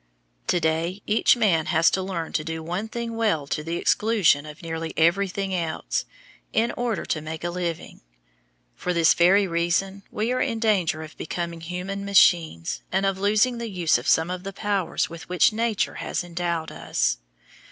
To day each man has to learn to do one thing well to the exclusion of nearly everything else, in order to make a living. For this very reason we are in danger of becoming human machines and of losing the use of some of the powers with which Nature has endowed us.